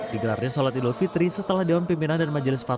di gelarnya sholat idul fitri setelah daun pimpinan dan majelis perubahan